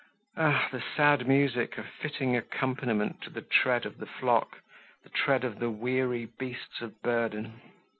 Ah! the sad music, a fitting accompaniment to the tread of the flock, the tread of the weary beasts of burden.